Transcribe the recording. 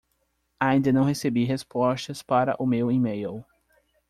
Ainda não recebi respostas para o meu email.